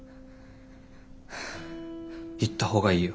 行った方がいいよ。